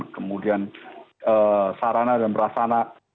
kemudian sarana dan perasana